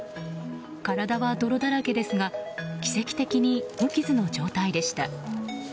体は泥だらけですが奇跡的に無傷の状態でした。